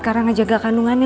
karena ngejaga kandungannya